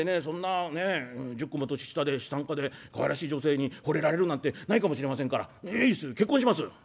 そんなね１０個も年下で資産家でかわいらしい女性に惚れられるなんてないかもしれませんからいいっすよ結婚します！」。